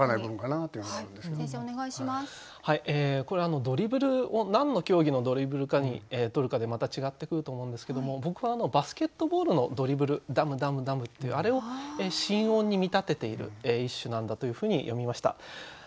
これドリブルを何の競技のドリブルかにとるかでまた違ってくると思うんですけども僕はバスケットボールのドリブル「ダムダムダム」っていうあれを心音に見立てている一首なんだというふうに読みました。